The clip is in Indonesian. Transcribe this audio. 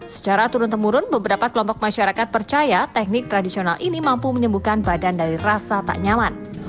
secara turun temurun beberapa kelompok masyarakat percaya teknik tradisional ini mampu menyembuhkan badan dari rasa tak nyaman